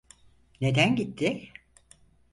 Neden gitti?